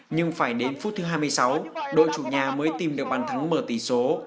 nhưng phải đến phút thứ hai mươi sáu đội chủ nhà mới tìm được bàn thắng mở tỷ số